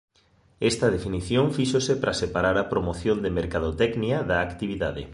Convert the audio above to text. Esta definición fíxose para separar a promoción de mercadotecnia da actividade.